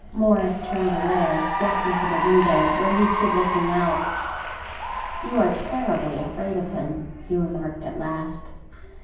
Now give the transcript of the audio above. Morris turned away, walking to the window, where he stood looking out. "You are terribly afraid of him!" he remarked at last.